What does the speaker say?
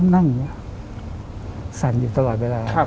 นั่งสั่นอยู่ตลอดเวลา